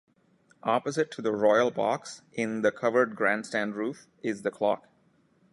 Opposite to the Royal Box, in the covered grandstand roof, is the clock.